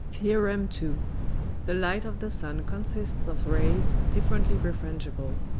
THEOR. II. _The Light of the Sun consists of Rays differently Refrangible.